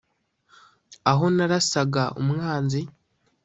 aho narasaga umwanzi